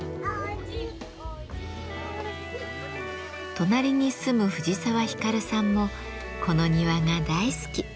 隣に住む藤沢光さんもこの庭が大好き。